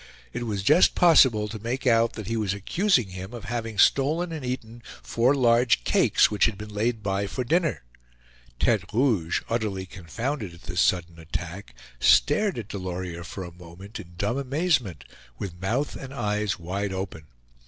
It was just possible to make out that he was accusing him of having stolen and eaten four large cakes which had been laid by for dinner. Tete Rouge, utterly confounded at this sudden attack, stared at Delorier for a moment in dumb amazement, with mouth and eyes wide open.